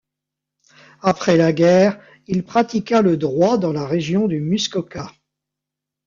Après la guerre, il pratiqua le droit dans la région de Muskoka.